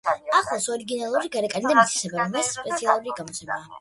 ახლავს ორიგინალური გარეკანი და მითითება, რომ ეს სპეციალური გამოცემაა.